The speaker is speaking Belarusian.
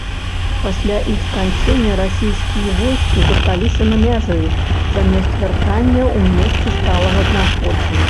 Пасля іх сканчэння расійскія войскі засталіся на мяжы замест вяртання ў месцы сталага знаходжання.